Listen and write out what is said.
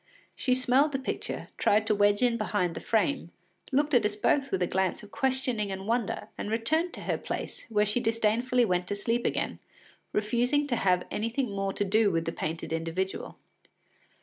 She smelled the picture, tried to wedge in behind the frame, looked at us both with a glance of questioning and wonder, and returned to her place, where she disdainfully went to sleep again, refusing to have anything more to do with the painted individual.